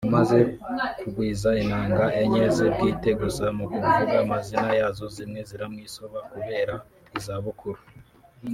Amaze kugwiza inanga enye ze bwite gusa mu kuvuga amazina yazo zimwe ziramwisoba kubera izabukuru